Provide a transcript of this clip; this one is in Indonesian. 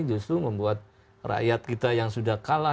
justru membuat rakyat kita yang sudah kalah